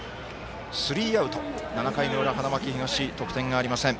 スリーアウト、７回の裏、花巻東得点がありません。